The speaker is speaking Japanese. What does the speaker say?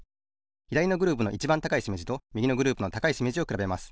ひだりのグループのいちばん高いしめじとみぎのグループの高いしめじをくらべます。